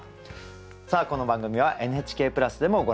さあこの番組はＮＨＫプラスでもご覧頂けます。